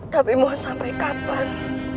tapi mau sampai kapan